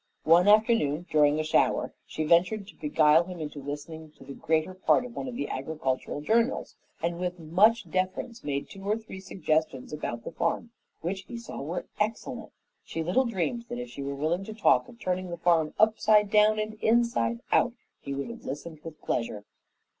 One afternoon, during a shower, she ventured to beguile him into listening to the greater part of one of the agricultural journals, and with much deference made two or three suggestions about the farm, which he saw were excellent. She little dreamed that if she were willing to talk of turning the farm upside down and inside out, he would have listened with pleasure.